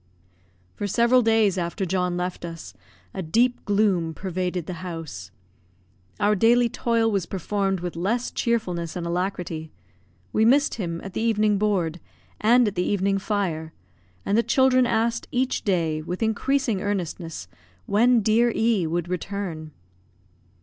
For several days after John left us, a deep gloom pervaded the house. Our daily toil was performed with less cheerfulness and alacrity; we missed him at the evening board, and at the evening fire; and the children asked each day, with increasing earnestness, when dear E would return.